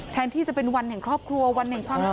แทนที่จะเป็นวันแห่งครอบครัววันแห่งความสุข